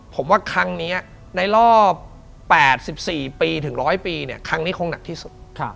ผมว่าครั้งนี้ในรอบ๘๔ปีถึง๑๐๐ปีครั้งนี้คงหนักที่สุด